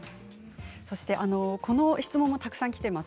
そしてこの質問もたくさんきています。